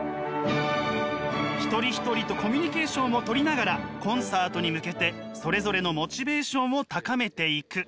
一人一人とコミュニケーションをとりながらコンサートに向けてそれぞれのモチベーションを高めていく。